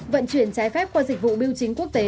vận chuyển trái phép qua dịch vụ biêu chính quốc tế